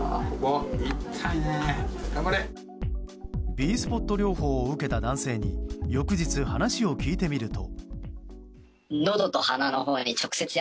Ｂスポット療法を受けた男性に翌日、話を聞いてみると。